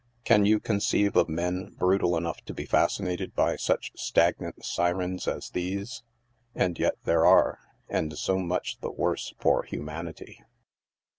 Can you conceive of men brutal enough to be fascinated by such stagnant syrens as these ? And yet there are — and so much the worse for humanity.